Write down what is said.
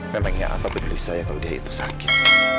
memangnya apa peduli saya kalau dia itu sakit